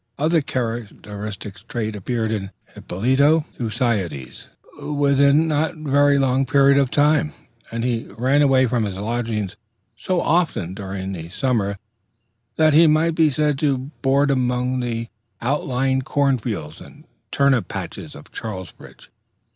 Other characteristic traits appeared in Hippolyto Thucydides within no very long period of time, and he ran away from his lodgings so often during the summer that he might be said to board round among the outlying cornfields and turnip patches of Charlesbridge.